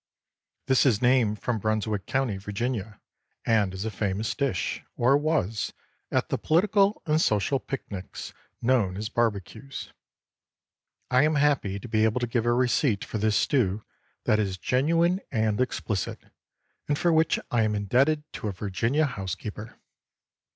This is named from Brunswick County, Virginia, and is a famous dish—or was—at the political and social pic nics known as barbecues. I am happy to be able to give a receipt for this stew that is genuine and explicit, and for which I am indebted to a Virginia housekeeper.